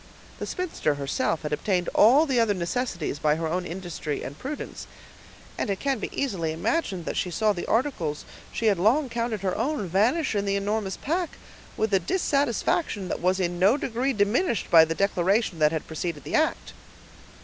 The spinster herself had obtained all the other necessaries by her own industry and prudence, and it can easily be imagined that she saw the articles she had long counted her own vanish in the enormous pack, with a dissatisfaction that was in no degree diminished by the declaration that had preceded the act.